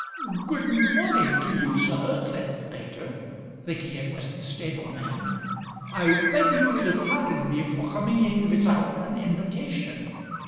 " Good morning to you, sir," said Peter, thinking it was the stable man. " I beg you will pardon me for coming in without any invitation.